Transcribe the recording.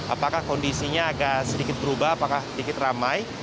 apakah kondisinya agak sedikit berubah apakah sedikit ramai